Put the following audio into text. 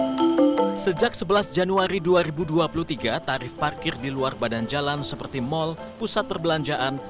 sejak sebelas januari dua ribu dua puluh tiga tarif parkir di luar badan jalan seperti mal pusat perbelanjaan